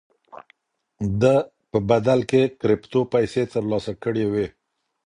ده په بدل کې کرېپټو پيسې ترلاسه کړې وې.